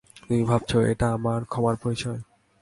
তুমি ভাবছ এটা আমার ক্ষমার পরিচয়?